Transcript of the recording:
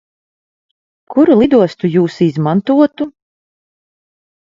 Kuru lidostu Jūs izmantotu?